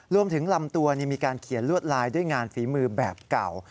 ลำตัวมีการเขียนลวดลายด้วยงานฝีมือแบบเก่า